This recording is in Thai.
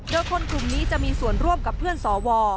โดยคนกลุ่มนี้จะมีส่วนร่วมกับเพื่อนสว